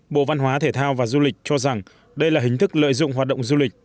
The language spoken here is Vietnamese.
bộ văn hóa thể thao và du lịch cho rằng đây là hình thức lợi dụng hoạt động du lịch